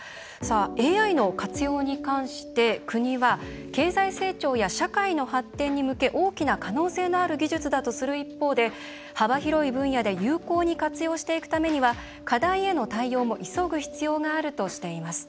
ＡＩの活用に関して国は経済成長や社会の発展に向け大きな可能性のある技術だとする一方で幅広い分野で有効に活用していくためには課題への対応も急ぐ必要があるとしています。